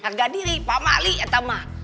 kamu akan jadi paham